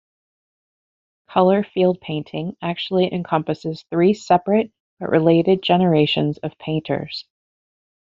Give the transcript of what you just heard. Color Field painting actually encompasses three separate but related generations of painters.